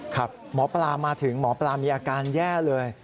ครับหมอปลามาถึงหมอปลามีอาการแย่เลย